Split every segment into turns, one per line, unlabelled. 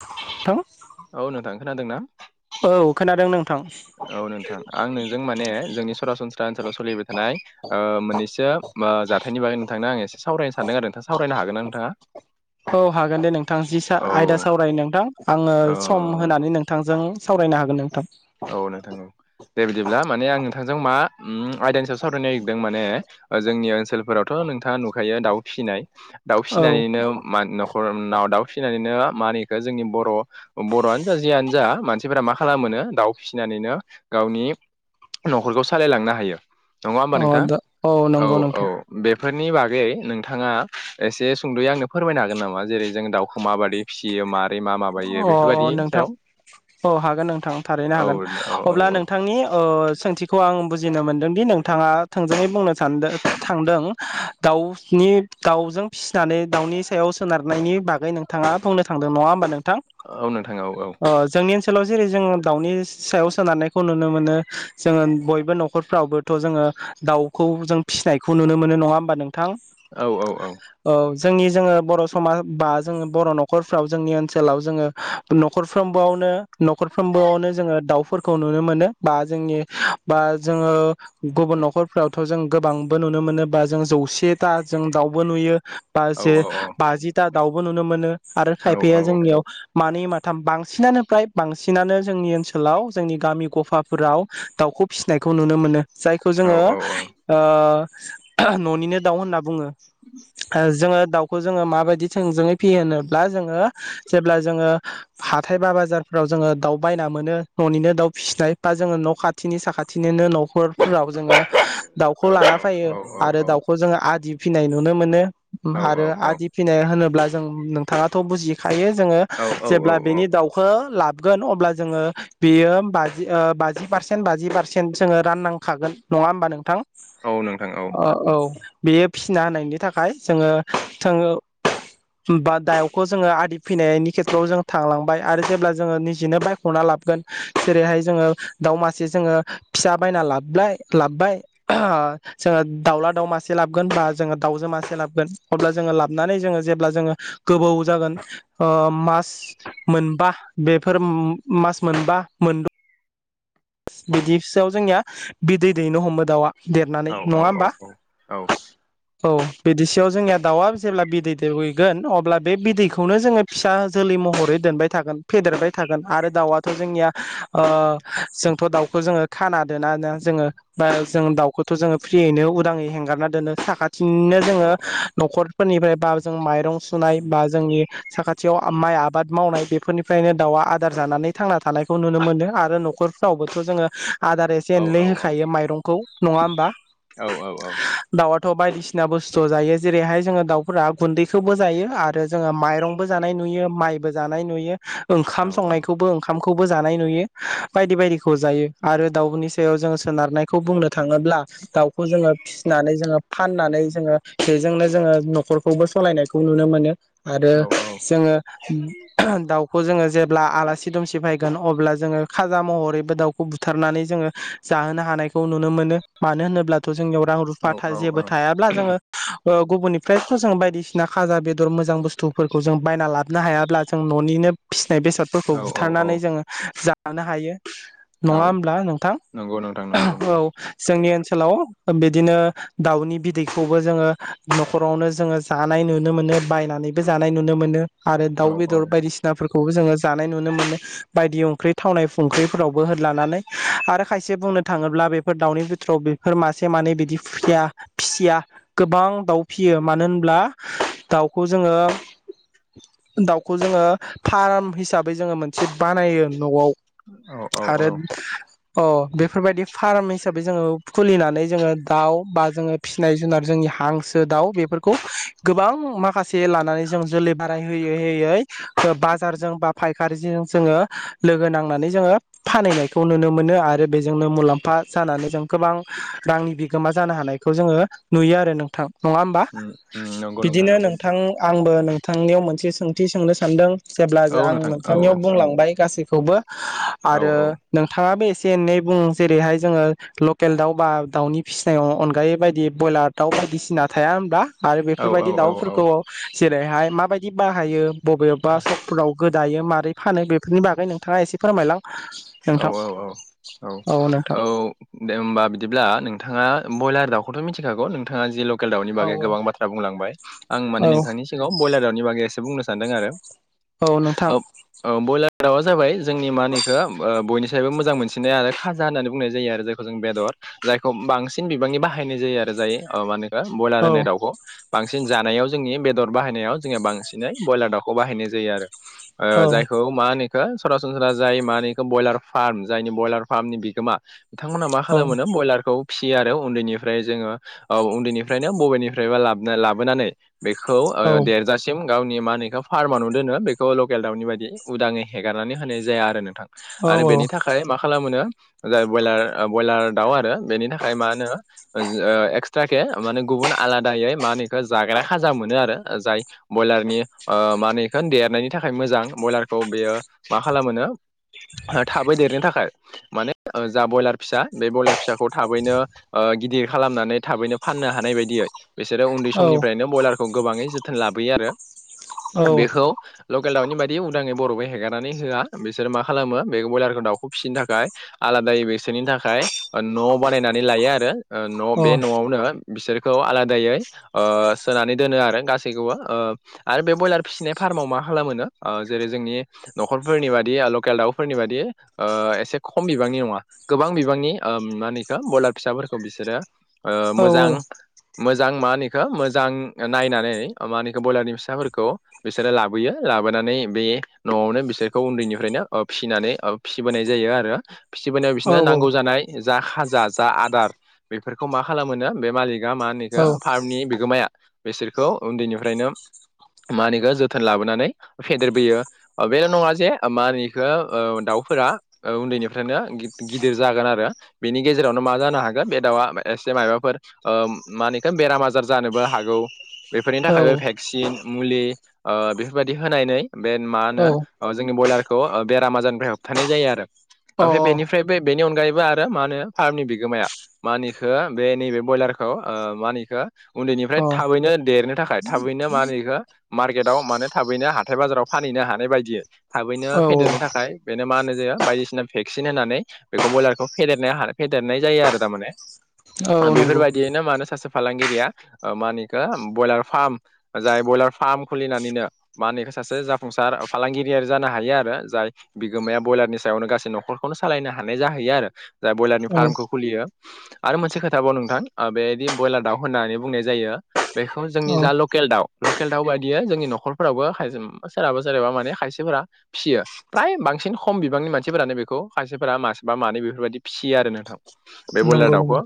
थ'
औ नोंथां खोनादों ना
औ खोनादों नों
औ नोंथां आं नोंजों माने जोंनि सरासनस्रा ओनसोलाव सोलिबाय थानाय ओ मोननैसो बा जाथायनि बागै नोंथांनो आं एसे सावरायनो सानदों आरो नोंथां सावरायनो हागोन ना नोंथाङा
औ हागोन दे नोंथां जिसा
औ
आयदा सावरायनो नोंथां आङो
औ
सम होनानै नोंथांजों सावरायनो हागोन नोंथां
औ नोंथां औ दे बिदिब्ला माने आं नोंथांजों मा उम आयदानि सायाव सावरायनो नागिरदों माने ओ जोंनि ओनसोलफोरावथ' नोंथाङा नुखायो दाउ फिसिनाय दाउ
औ
फिसिनानैनो मा नं खर नाव दाउ फिसिनानैनो मानिखो जोंनि बर' बर'आनो जा जियानो जा सिफोरा मा खालामोनो दाउ फिसिनानैनो गावनि न'खरखौ सालायलांनो हायो। नङा होमबा
अ
नोंथां
दा
औ
नंगौ
औ
नोंथां
बे फोरनि बागै नोंथाङा एसे सुंद'यै आंनो फोरमायनो हागोन नामा जेरै जों दाउखौ माबाददि फिसियो मा माबायो
अ अ
बेफोरबायदि
नोंथां
सायाव
अ हागोन नोंथां था रैनो
औ
हागोन
औ औ
अब्ला
औ
नोंथांनि ओ सोंथिखौ आं बु बुजिनो मोनदों दि नोंथाङा थोंजोै बुंनो सानदो थांदों दाउनि दाउजों फिसिनानै दाउनि सायाव सोनारनायनि बागै नोंथाङा बुंनो थांदों नङा होमबा नों
औ नोंथां औ औ
जेरै जोङो दाउनि सायाव सोनारनायखौ नुनो मोनो जोङो बयबो न'खरफ्रावबोथ' जोङो ओ दाउखौ जों फिनायखौ नुनो मोनो नङा होमबा नोंथां औ जोंनि जोङो बर' समाज बा जोङो बर' न'खरफ्राव जोंनि ओ सोलाव जोङो नखरफ्रोमबोआवनो न'खरफ्रोमबोआवनो जोङो दाउफोरखौ नुनो मोनो बा जो जोंनि बा जोङो गुब न'खफ्रावथ' जों गोबांबो नुनो मोनो बा जों जौसे थां जों दाउबो नुयो बा
औ
जे
औ
बाजिथा दाउबो नुनो मोनो आरो
औ औ
खायफाया जोंनियाव मानै माथाम बांसिनानो फ्राय बांसिनानो जोंनि ओनसोलाव जोंनि गामि गफाफोराव दाउखौ फिसिनायखौ नुनो मोनो। जायखौ
औ
जोङो
औ औ
ओ न'निनो दाउ होनना बुङो‌। ओ जोङो दाउखौ जोङो माबायदि थोंजोङै फिहोनोब्ला जोङो जेब्ला जोङो हाथाय बा बाजारफ्राव जोङो दाउ बायना मोनो न'निनो दाउ फिसिनाय बा जोङो न' खाथिनि साखाथिनिनो न' खरफोराव जोङो दाउखौ लाना
औ
फैयो आरो दाउखौ जोङो आदि फिसिनाय नुनो मोनो।
औ
आरो आदि फिनाय होनोब्ला जों नोंथाङाथ' बुजि खायो जोङो
औ
जेब्ला
औ
बेनि दाउखौ ला गोन अब्ला जोङो बेयो बाजि ओ बाजि फारसेन बाजि फारसेन जोङो राननांखागोन नङा होमबा नोंथां
औ नोंथां औ
अ औ बेयो फिसिना होनायनि थाखाय जोङो जों बा दउखौ जोङो आ दि फैनायनि खेथ्रआव जों थांलांबाय आरो जेब्ला जोङो निजेनो बाइक हरना लाबोगोन जेरैहाय जोङो दाव मासे जोङो फिसा बायना लाबोबाय लाबोबाय ओ जोङो दाउला दााव मासे लाबगोन बा जोङो दाउजो मासे लाबगोन अब्ला जोङो लाबोननानै जोङो जेब्ला जोङो गोबौ जागोन ओ मास मोनबा बेफोर मास मोनबा मोनद' बिदि सोयाव जोंनिया बिदै दैनो हमो दाउआ देरनानै
औ औ
नङा
औ
होमबा
औ
औ बिदिसेयाव जोंनिया दाउआ जेब्ला बिदै दैहैगोन अब्ला बे बिदैखौनो जोङो फिसा जोलै महरै दोनबाय थागोन फेदेरबाय थागोन आरो दाउआ थ' जोंनिया ओ जों थ' दाउखौ जोङो खाना दोना ना जोङो बा जों दाउखौथ' जोङो फ्रियैनो उदाङै हेंगारना दोनो सा बिदिनो
औ
जोङो न'खरफोरनिफ्राय बा जों माइरं सुनाय बा जोंनि साखाथियाव माइ आबाद मावनाय बेफोरनिफ्रायनो दाउआ आदार जानानै थांना थानायखौ नुनो मोनो आरो न'खरफ्रावबोथ' जोङो आदार एसे
औ
एनले
औ
होखायो माइरंखौ नङा होमबा
औ औ
दाउ थ' बायदिसिना बुस्थु जायो जेरैहाय जोङो दाउफोरा गुन्दैखौबो जायो आरो जोङो माइरंबो जानाय नु यो मायबो जानाय नुयो ओंखाम संनायखौबो जानाय नुयो बायदि बायदि खौ जायो आरो दाउनि सायाव जोङो सोनारनायखौ बुंनो थाङोब्ला दाउखौ जोङो फिसिनानै जोङो फाननानै जोङो बेजोंनो जोङो न'खरखौबो सलायनायखौ नुनो मोनो। आरो जोङो दाउ खौ जोङो जेब्ला आलासि दुमसि फैगोन अब्ला जोङो खाजा महरै दाउखौ बुथारनानै जोङो जाहोनो हानायखौ नुनो मोनो मानो होनोब्लाथ' जोंनियाव रां रुफा जेबो थायाब्ला जोङो ओ गुबुननिफ्रायथ' जों बायदिसिना खाजा बेदर मोजां बुस्थुफोरखौ जों बायना लाबोनो हायाब्ला जों न'निनो फि बेसादफोरखौ
औ औ
बुथारनानै जोङो जानो हायो।
औ
नङा होनब्ला नोंथां
नंगौ नोंथां नंगौ
औ
नंगौ
जोंनि ओनसो लाव बिदिनो दाउनि बिदैखौबो जोङो न'खरावनो जोङो जानाय नुनो मोनो। बायनानैबो जानाय नुनो मोनो आरो दाउ
औ औ
बेदर बायदिसिनाफोरखौबो जोङो जानाय नुनो मोनो बायदि ओंख्रि थावनाय फंख्रि फोरावबो हो लानानै आरो खायसे बुंनो थाङोब्ला बेफोर दाउनि बिथोराव बेफोर मासे मानै बिदि फु फि फिसिया गोबां दाउ फिसियो मानो होनब्ला दाउखौ जोङो
[inaudible]
दाउखौ जोङो फार्म हिसाबै जोङो मो थ बानायो न'आव
औ औ औ
आरो अ बेफोरबायदि फार्म हिसाबै जोङो खुलिनानै जोङो दाउ बा जोङो फिसिनाय जुनार जोंनि हां सो, दाउ बेफोरखौ गोबां माखासे लानानै जों जोलै बाराय होयै होयै बाजारजों बा फायखारिजों जोङो लोगो नांनानै जोङो फाननायखौ नुनो मोनो आरो बेजोंनो मुलाम्फा जानानै जों गोबां रांनि बिगोमा जानो हानायखौ जोङो नुयो आरो नोंथां। नङा होमबा
उम उम नंगौ
बिदिनो
नंगौ
नोंथां आंबो नोंथांनियाव मोनसे सोंथि सोंनो सानदों। जेब्ला
औ
आं
नोंथां औ
नोंथांनियाव
औ
बुंलांबाय गासैखौबो
औ
आरो नोंथाङाबो एसे एनै बुं जेरैहाय जोङो लकेल दाउ बा दाउनि फिसिनायाव अनगायै बायदि ब्रयलार दाउ बायदिसिना थाया होनबा आरो
औ औ
बेफोरबायदि
औ
दाउफोरखौ जेरैहाय माबायदि बाहायो बबेबा सकफोराव गोदायो मारै फानो बेफोरनि बागै नोंथाङा एसे फोरमायलां
औ
नोंथां
औ औ औ औ दे होनबा बिदिब्ला नों थाङा बयलार दाउखौथ' मिथिखागौ नोंथाङा जि लकेल दाउनि
औ
बागै गोबां बाथ्रा बुंलांबाय आं
औ
माने नोंथांनि सिगांव ब्रयलार दाउनि बागै एसे बुंनो सानदों आरो
औ नोंथां
दावा जाबाय जोंनि मा होनो एखौ ओ बयनिसायबो मोजां मोनसिनाय आरो खाजा होननानै बुंनाय जायो आरो जायखौ जों बेदर जायखौ बांसिन बिबांनि बाहाय हायनाय जायो आरो जायो अ माने [unintelligible] बयलार
औ
होनाय दाउखौ। बांसिन जानायाव जोंनि बेदर बाहायनायाव जोंनिया बांसिनै बयलार दाउखौ बाहायनाय जायो आरो ओ
औ
जायखौ मा होनो इखो सरासनस्रा जाय मानि बयलार फार्म जायनि बयलार फार्मनि बिगोमा थांमोना मा
औ
खालामोनो बयलारखौ फियो आरो उन्दैनिफ्राय जोङो ओ उन्दैनिफ्रायनो बबेनिफ्रायबा लाबना लाबोनानै बेखौ ओ देरजासिम गावनि मा होनो इखो फार्मा नु दोनो बेखौ लकेल दाउनि बायदि उदाङै हेगारनानै होनाय जाया आरो नोंथां।
औ
आरो बेनि थाखाय मा खालामोनो जाय बयलार बयलार दाउ आरो बेनि थाखाय मा होनो जो ओ एक्स त्राके माने गुबुन आलादायै मा होनो इखो जाग्रा खाजा मोनो आरो जाय बयलारनि ओ मा होनो इखो देरनायनि थाखाय मोजां बयलारखौ बेयो मा खालामोनो थाबै देरनो थाखाय माने जा बयलार फिसा बे बयलार फिसाखौ थाबैनो ओ गिदिर खालामनानै थाबैनो फाननो हानाय बायदियै बिसोरो उन्दै
औ
समनिफ्रायनो बयलारखौ गोबाङै जोथोन लाबोयो आरो
औ
बेखौ लक केल दावनि बायदि उदाङै बर'बो हेगारनानै होआ बिसोर मा खालामो बे बयलारखौ दाउखौ फिसिनो थाखाय आलादायै बेसोरनि थाखाय ओ न' बानायनानै लायो आरो। ओ न'
औ
बे न'आवनो बिसोरखौ आलादायै ओ सोनानै दोनो आरो गासैखौबो ओ आरो बे बयलार फिसिनाय फा फार्मआव मा खालामोनो ओ जेरै जोंनि न'खरफोरनि बादिया लक केल दाउफोरनि बादि ओ एसे खम बिबांनि नङा गोबां बिबांनि ओ मा होनो इखो बयलार फिसाफो खौ बिसोरो ओ
औ
मोजां मोजां मा होनो इखो मोजां ओ नायनानै मा होनो इखो बयलारनि फिसाफोरखौ बिसोरो लाबोयो लाबोनानै बे न'आवनो बिसोरखौ उन्दैनिफ्रायनो ओ फिसिनानै ओ फिसिबोनाय जायो आरो फिसिबोनायाव बिसोरनो नांगौ जानाय जा खाजा जा आदार बेफोरखौ मा खालामोनो बे मालिकआ मा होनो इखो
औ
फार्मनि बिगोमाया बेसोरखौ उन्दैनिफ्रायनो मा होनो इखो जोथोन लाबोनानै फेदेरबोयो ओ बेल' नङा जे मानि गो औ दाउफोरा ओ उन्दैनिफ्रायनो गिद-गिदिर जागोन आरो बेनि गेजेरावनो मा जानो हा गो बे दाउआ एसे मायबाफोर ओ मा होनो इखो बेराम आजार जानोबो हागौ बेफोरनि थाखायबो भेक्सिन मुलि ओ बेफोरबायदि होनायनै बे मा होनो जोंनि बयलारखौ बेराम आजारनिफ्राय होबथानाय जायो आरो। ओमफ्राय बेनिफ्राय बे बेनि अनगायैब बो आरो मा होनो फार्मनि बिगोमाया मा होनो इखो बे निबे बयलारखौ ओ मा होनो इखो उन्दैनिफ्राय थाबैनो देरनो थाखाय थाबैनो मा होनो इखो मार्केदाव मानोे थाबैनो हाथाय बाजाराव फानहैनो हानाय बायदियै थाबैनो
औ
फेदेरनो थाखाय बे ओ मा होनाय जायो बायदिसिना भेक्सिन होनानै बेखौ बयलारखौ फेदेरनाय हा फेदेरनाय जायो आरो तामाने।
औ
ओ
नंगौ
बेफोरबायदियैनो मानो सासे फालांगिरिया ओ मा होनो इखो बयलार फार्म जाय बयलार फार्म खुलिनानैनो मा होनो इखो सासे जाफुंसार फालांगिरियारि जानो हायो आरो। जाय बिगोमाया बयलारनि सायावनो गासै न'खरखौनो सालायनो हानाय जाहैयो आरो जाय बयलारनि फार्मखौ खुलियो। आरो मोनसे खोथा बाव नोंथां बेदि बयलार दाउ होननानै बुंनाय जायो बेखौ
औ
जोंनि जा लकेल दाउ लकेल दाउ बायदियै जोंनि न'खरफोरावबो हायजोम सोरहाबा सोरहाबा माने खायसेफोरा फियो। प्राय बांसिन खम बिबांनि मानसिफोरानो बेखौ खायसेफोरा मासेबा मानै बेफोरबायदि फिसियो आरो नोंथां बे बयलार
नंगौ
दाउखो।
नंगौ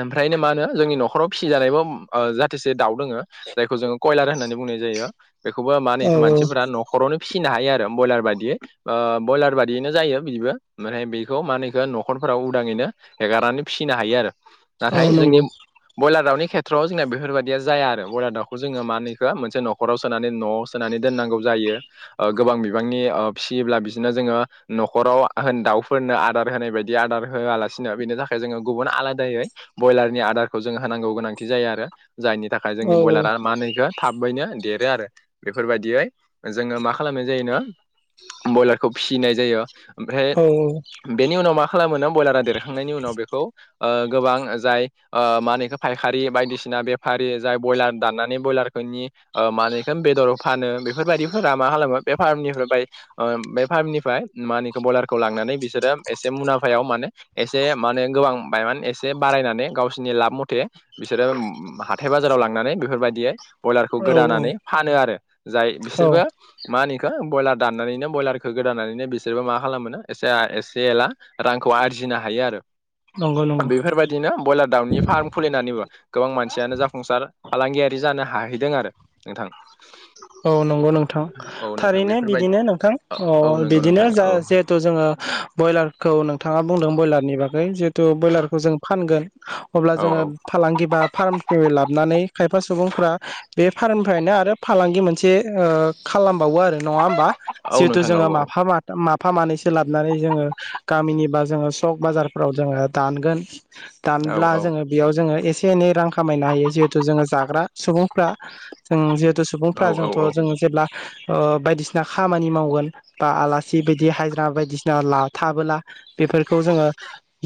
ओमफ्रायनो मा होनो जोंनि न'खराव फिसिजानायबो ओ जाहथोसे दाउ दोङो जायखौ जोङो कयलार होननानै बुंनाय जायो बेखौबो मा
औ
होनो मानसिफोरा न'खरावनो फिसिनो हायो आरो बयलार बा दि ओ बयलार बादियैनो जायो बिबो माने बेखौ मा होनो इखो न'खरफोराव उदाङैनो हेगार नै फिनो हायो आरो
औ
नाथाय जोंनि
नंगौ
बयलार दाउनि खेत्रआव जोंना बेफोरबायदिया जाया आरो बयलार दाउखौ जोङो मा होनोएखौ मोनसे न'खराव सोनानै न'आव सोनानै दोननांगौ ओ जायो गोबां बिबांनि ओब फिसियोब्ला बिदिनो जोङो न'खराव होन दाउफोरनो आदार होनाय बायदि आदार होआलासिनो बेनि थाखाय जोङो गुबुन आलादायै ब्रयलारनि आदारखौ जोङो होनांगौ गोनांथि जायो आरो जायनि थाखाय
औ
जोंनि ब्रयलारा मा होनोएखो थाब बैनो देरो आरो बेफोरबायदियै जोङो मा खालामनाय जायोनो ब्रयलारखौ फिसिनाय जायो ओमफ्राय
औ
बेनि उनाव मा खालामोनो बयलारया देरहांनायनि उनाव बेखौ ओ गोबां जाय मा होनो एखो फायारि बायदिसिना बेफा रि जाय बयलार दनानै बल म बेदर फानो बेफोरबायाददिफोरा मा खालामो बे बारानिफ्राय बाय बे फार्मनिफ्राय मा होनो खौ बयलारखौ लांनानै बिसोरो एसे मुलामफायाव माने एसे माने गोबां बायमान एसे बारायनानै गावसिोरनि लाब मथे बिसोरो हाथाय बाजाराव लांनानै बेफोरबायदियै ब्रयलारखौ
औ
गोदानानै फानो आरो जाय
औ
बिसोरबो मा होनो इखो ब्रयलार दाननानैनो ब्रयलारखौ गोदानानैनो बिसोरबो मा खालामो एसे एसे एला रांखौ आरजिनो हायो आरो
नंगौ नंगौ
बेफोरबायदिनो ब्रयलार दाउनि फार्म खुलिनानैबो गोबां मानसियानो जाफुंसार फालांगियारि जानो हाहैदों आरो नोंथां
औ नंगौ नोंथां
औ नोंथां
थारैनो
बेफोरबायदि
बिदिनो नोंथां
औ
अ
औ नंगौ
बिदिनो
नोंथां
जा
औ
जिहेथु जोङो ब्रयलारखौ नोंथाङा बुंदों ब्रयलारनि बागै थु ब्रयलारखौ जों फानगोन अब्ला
औ
जोङो
औ
फालांगि बा फार्म लाबोनानै खायफा सुबुंफोरा बे फार्निफ्रायनो आरो फालांगि मोनसे खालाम बावो आरो
औ
जितु
नोंथां औ
जोङो माफा-माद- माब फा मानैसो लाबोनानै जोङो गामिनिबा जोङो सक बाजारफोराव जोङो दानगोन
औ
दानब्ला
औ
जोङो बेयाव जोङो एसे से एनै रां खामायनो हायो जिहेतु जोङो जाग्रा सुबुंफ्रा जों जिहेतु सुबुं फ्रा
औ औ
जोंथ' जों जेब्ला ओ बायदिसिना खामानि मावगोन बा आलासि बायदि हाजिरा बायदिसिना ला-थाबोला बेफोरखौ जोङो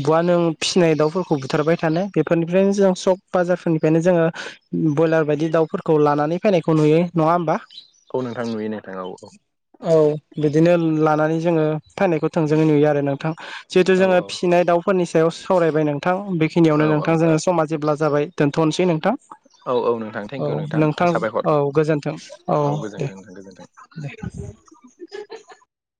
बुवा नों फिसिनाय दाउफोरखौ बुथारबाय थानो बेफोरनिफ्रायनो जों सक बाजारफोरनिफ्रायनो जोङो ब्रयलार बायदि दाउफोरखौ लानानै फैनायखौ नुयो नङा होमबा
औ नोंथां नुयो नोंथां औ औ
औ बिदिनो लानानै जोङो फैनायखौ थोंजोङै नुयो आरो नोंथां जिहेतु
औ
जोङो फिसिनाय दाउफोरनि सायाव सावरायबाय नोंथां बेखिनियावनो
औ औ
नोंथां जोङो समाज जेब्ला जाबाय दोनथ'नोसै नोंथां
औ औ नोंथां
औ
थेंकिउ
नोंथां
साबायखर
औ गोजोन औ दे
गोजोन्थों नोंथां गोजोन्थों
दे